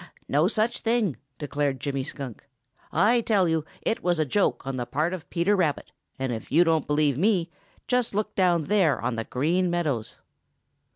"No such thing!" declared Jimmy Skunk. "I tell you it was a joke on the part of Peter Rabbit, and if you don't believe me, just look down there on the Green Meadows."